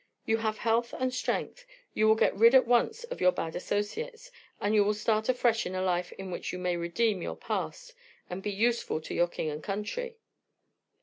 You have health and strength, you will get rid at once of your bad associates, and will start afresh in a life in which you may redeem your past and be useful to your king and country."